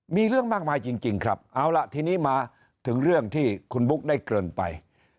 มีเรื่องมากมายจริงครับเอาล่ะทีนี้มาถึงเรื่องที่คุณบุ๊กได้เกินไป